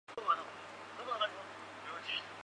县治曼宁。